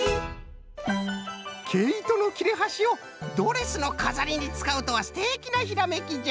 けいとのきれはしをドレスのかざりにつかうとはすてきなひらめきじゃ！